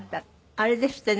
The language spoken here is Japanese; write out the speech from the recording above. あれですってね。